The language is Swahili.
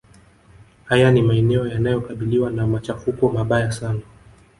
Haya ni maeneo yanayokabiliwa na macahafuko mabaya sana